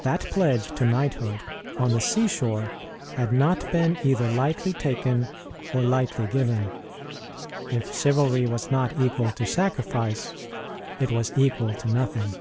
That pledge to knighthood, on the sea shore, had not been either lightly taken or lightly given. If chivalry was not equal to sacrifice, it was equal to nothing.